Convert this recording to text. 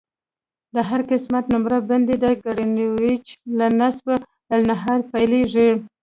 د هر قسمت نمره بندي د ګرینویچ له نصف النهار پیلیږي